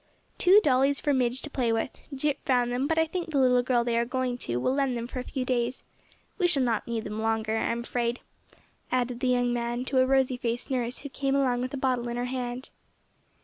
"Two dollies for Midge to play with. Jip found them, but I think the little girl they are going to will lend them for a few days. We shall not need them longer I'm afraid," added the young man to a rosy faced nurse who came along with a bottle in her hand.